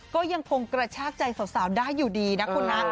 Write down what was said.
ก็ยังคงกระชากใจสาวได้อยู่ดีนะคุณนะ